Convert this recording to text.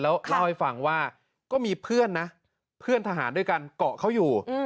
แล้วเล่าให้ฟังว่าก็มีเพื่อนนะเพื่อนทหารด้วยกันเกาะเขาอยู่